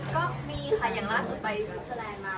ก็มีค่ะอย่างล่าสุดไปสร้างมา